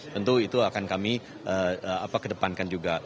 tentu itu akan kami kedepankan juga